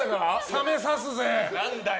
冷めさすぜ。